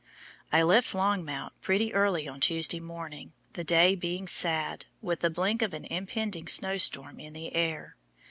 I left Longmount pretty early on Tuesday morning, the day being sad, with the blink of an impending snow storm in the air.